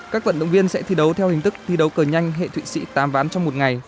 các vận động viên sẽ thi đấu theo hình thức thi đấu cờ nhanh hệ thụy sĩ tám ván trong một ngày